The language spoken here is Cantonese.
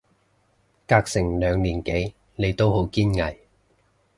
隔成兩年幾你都好堅毅